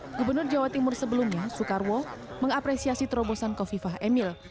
di sisi lain gubernur jawa timur sebelumnya soekarwo mengapresiasi terobosan kofifah emil